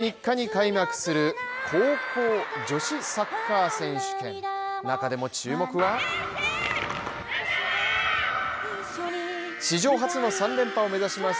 来年１月３日に開幕する高校女子サッカー選手権中でも注目は、史上初の３連覇を目指します